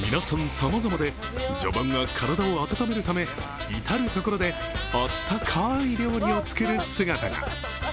さまざまで序盤は体を温めるため至るところであったかい料理を作る姿が。